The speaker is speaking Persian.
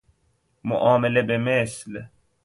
معامله به مثل